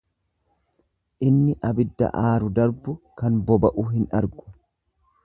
Namni ibidda aaru darbu kan boba'u hin argu.